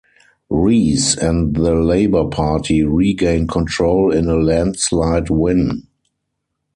Reece and the Labor Party regained control in a landslide win.